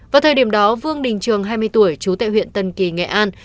vào thời điểm đó vương đình trường hai mươi tuổi chú tệ huyện tân kỳ nghệ an